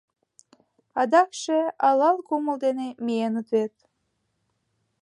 Адакше алал кумыл дене миеныт вет.